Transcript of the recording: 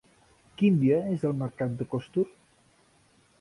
Quin dia és el mercat de Costur?